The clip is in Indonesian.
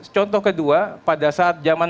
contoh kedua pada saat zaman